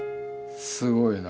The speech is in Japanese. すごいな。